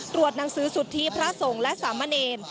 ตรวจหนังสือสุทธิพระทรงและสามะเนญ